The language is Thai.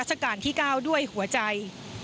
โรจาการที่๙ด้วยหัวใจ